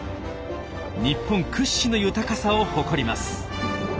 日本屈指の豊かさを誇ります。